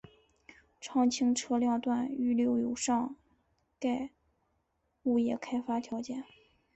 常青车辆段预留有上盖物业开发条件。